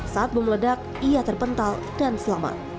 saat bom ledak ia terpental dan selamat